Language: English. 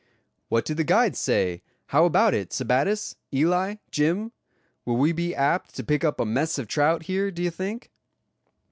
"What do the guides say; how about it, Sebattis, Eli, Jim; will we be apt to pick up a mess of trout here, do you think?"